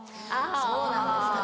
そうなんですかね